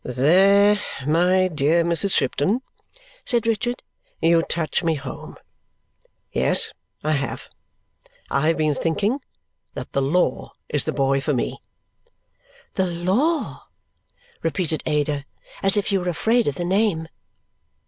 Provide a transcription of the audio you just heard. "There, my dear Mrs. Shipton," said Richard, "you touch me home. Yes, I have. I have been thinking that the law is the boy for me." "The law!" repeated Ada as if she were afraid of the name.